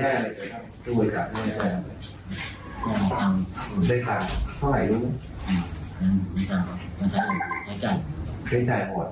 ใช้จ่ายบอก